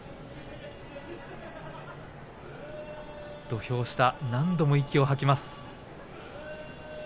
土俵下、何度も息を吐きます。